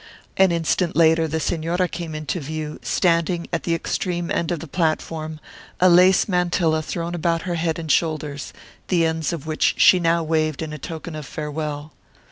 An instant later the Señora came into view, standing at the extreme end of the platform, a lace mantilla thrown about her head and shoulders, the ends of which she now waved in token of farewell.